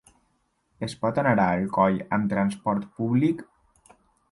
Es pot anar a Alcoi amb transport públic?